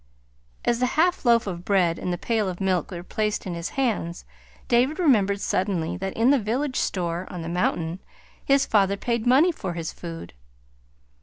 As the half loaf of bread and the pail of milk were placed in his hands, David remembered suddenly that in the village store on the mountain, his father paid money for his food.